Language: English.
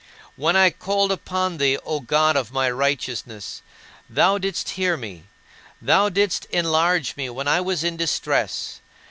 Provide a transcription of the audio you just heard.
"When I called upon thee, O God of my righteousness, thou didst hear me; thou didst enlarge me when I was in distress.